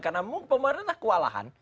karena mau pemerintah kewalahan